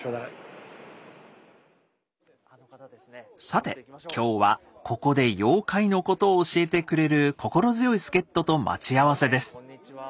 さて今日はここで妖怪のことを教えてくれる心強い助っ人と待ち合わせです。